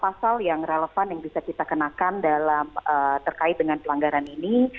pasal yang relevan yang bisa kita kenakan terkait dengan pelanggaran ini